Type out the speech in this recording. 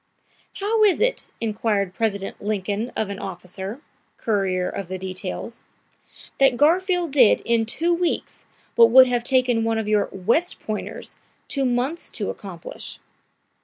"How is it," inquired President Lincoln of an officer, courier of the details, "that Garfield did in two weeks what would have taken one of your West Pointers two months to accomplish?"